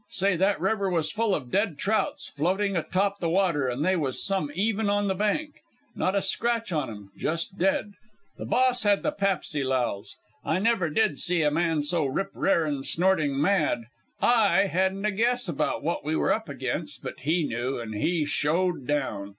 Say, that river was full of dead trouts, floating atop the water; and they was some even on the bank. Not a scratch on 'em; just dead. The Boss had the papsy lals. I never did see a man so rip r'aring, snorting mad. I hadn't a guess about what we were up against, but he knew, and he showed down.